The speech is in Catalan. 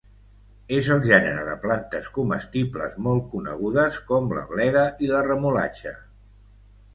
És el gènere de plantes comestibles molt conegudes com la bleda i la remolatxa.